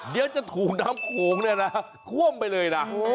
เดี๋ยวจะถูกน้ำโขงเนี่ยนะท่วมไปเลยนะ